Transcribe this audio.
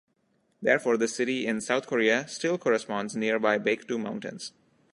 Therefore, this city in South Korea still corresponds nearby Baekdu Mountains.